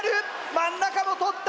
真ん中も取った！